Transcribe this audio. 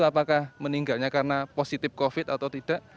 apakah meninggalnya karena positif covid atau tidak